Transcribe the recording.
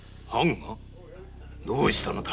どうしたのだ？